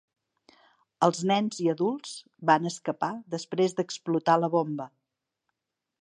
Els nens i adults van escapar després d'explotar la bomba.